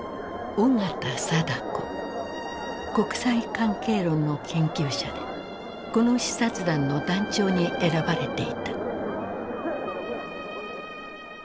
国際関係論の研究者でこの視察団の団長に選ばれていた。